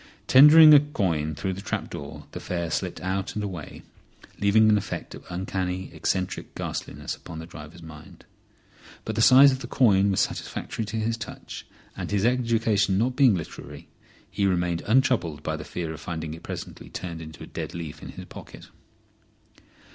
Tendering a coin through the trap door the fare slipped out and away, leaving an effect of uncanny, eccentric ghastliness upon the driver's mind. But the size of the coin was satisfactory to his touch, and his education not being literary, he remained untroubled by the fear of finding it presently turned to a dead leaf in his pocket.